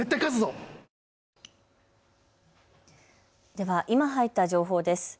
では今入った情報です。